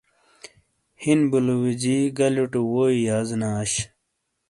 ہیِن بُلوویجی گلیوٹے ووئیے یازینا اش۔